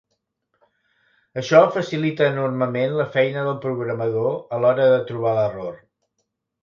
Això facilita enormement la feina del programador a l'hora de trobar l'error.